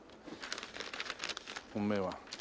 本命は。